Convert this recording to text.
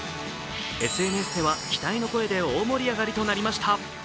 ＳＮＳでは期待の声で大盛り上がりとなりました。